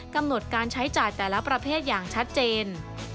กำหนดการใช้จ่ายแต่ละประเภทอย่างชัดเจน